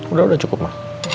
udah udah cukup ma